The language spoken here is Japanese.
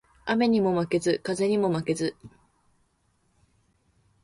雨ニモ負ケズ、風ニモ負ケズ